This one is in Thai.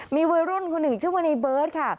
มีวัยรุ่นคนหนึ่งชื่อว่าในเบิร์ตค่ะ